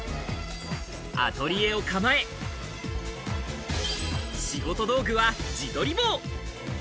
アトリエを構え、仕事道具は自撮り棒。